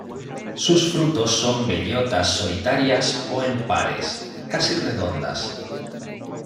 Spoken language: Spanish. Sus frutos son bellotas solitarias o en pares, casi redondas.